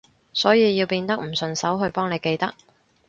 所以要變得唔順手去幫你記得